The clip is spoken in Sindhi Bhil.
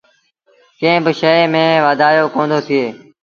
ڪݩهݩ با شئي ميݩ وآڌيو ڪوندو ٿئي۔